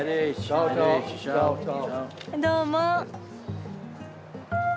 どうも。